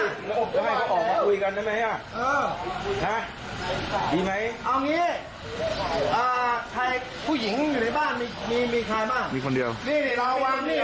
เอ้ามึงวางมิดกำแพงนะพี่เข้าไปคนเดียวเนี่ย